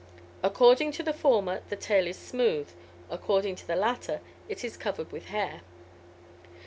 According to the former, the tail is smooth; according to the latter, it is covered with hair.